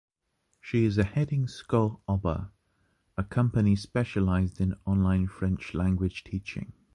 She is heading Skol Ober, a company specialized in online French language teaching.